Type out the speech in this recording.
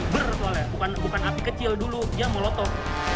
ber bukan api kecil dulu dia molotov